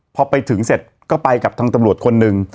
พอไปถึงเสร็จก็ไปกับทางตำรวจคนหนึ่ง